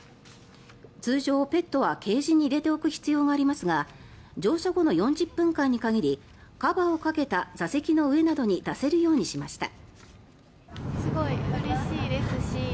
通常、ペットはケージに入れておく必要がありますが乗車後の４０分間に限りカバーをかけた座席の上などに出せるようにしました。